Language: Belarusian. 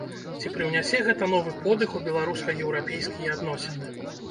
Ці прыўнясе гэта новы подых у беларуска-еўрапейскія адносіны?